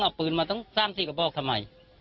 อ่าเพราะว่า